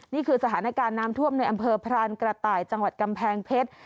นี่คือสถานการณ์น้ำท่วมในอำเภอพรานกระต่ายจังหวัดกำแพงเพชร